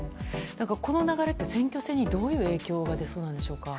この流れって選挙戦にどういう影響が出そうなんでしょうか。